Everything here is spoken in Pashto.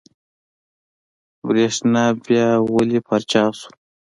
برېښنا بيا ولې پرچاو شوه؟